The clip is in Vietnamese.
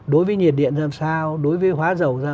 đối với nhiệt điện làm sao đối với hóa dầu ra